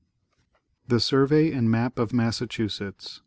THE SURVEY AND MAP OF MASSACHUSETTS.